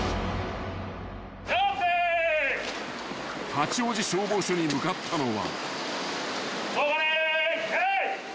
［八王子消防署に向かったのは］